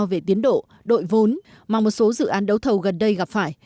về tiến độ đội vốn mà một số dự án đấu thầu gần đây gặp phải